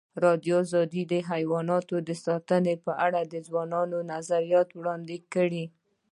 ازادي راډیو د حیوان ساتنه په اړه د ځوانانو نظریات وړاندې کړي.